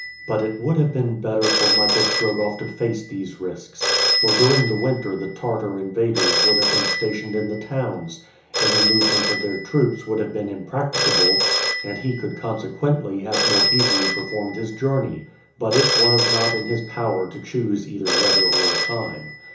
But it would have been better for Michael Strogoff to face these risks; for during the winter the Tartar invaders would have been stationed in the towns, any movement of their troops would have been impracticable, and he could consequently have more easily performed his journey. But it was not in his power to choose either weather or time.